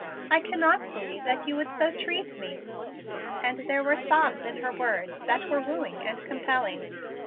I cannot believe that you would so treat me." And there were sobs in her words that were wooing and compelling.